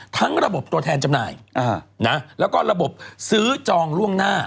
ระบบตัวแทนจำหน่ายแล้วก็ระบบซื้อจองล่วงหน้า